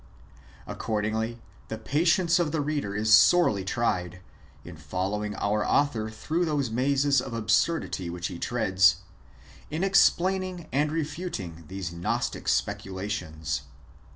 Accordingly, the patience of the reader is sorely tried, in following our author through those mazes of absurdity which he treads, in explaining and refuting these Gnostic specula tions.